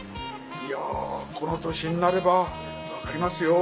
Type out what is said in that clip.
いやこの年になれば分かりますよ。